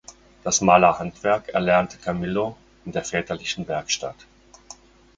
Das Malerhandwerk erlernte Camillo in der väterlichen Werkstatt.